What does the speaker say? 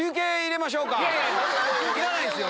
いらないですよ